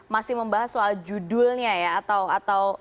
masih membahas soal judulnya ya atau